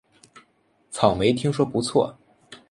草莓听说不错